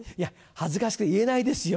恥ずかしくて言えないですよ。